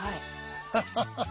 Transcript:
ハハハハハ。